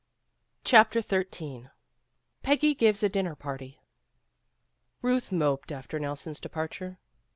CHAPTEE XIII PEGGY GIVES A DINNER PARTY RUTH moped after Nelson's departure.